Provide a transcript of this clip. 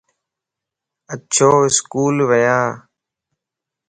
اچو اسڪول ونيا